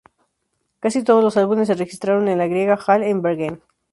Casi todos los álbumes se registraron en la Grieg Hall en Bergen.